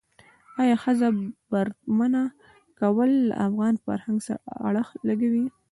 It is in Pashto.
آیا ښځه برمته کول له افغان فرهنګ سره اړخ لګوي.